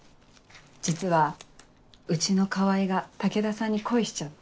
実はうちの川合が武田さんに恋しちゃって。